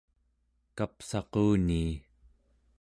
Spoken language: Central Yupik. kapsaqunii!